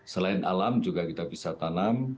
selain alam juga kita bisa tanam